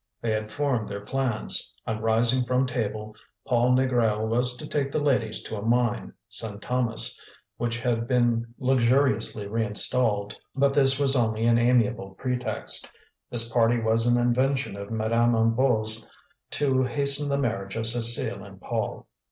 They had formed their plans: on rising from table, Paul Négrel was to take the ladies to a mine, Saint Thomas, which had been luxuriously reinstalled. But this was only an amiable pretext; this party was an invention of Madame Hennebeau's to hasten the marriage of Cécile and Paul.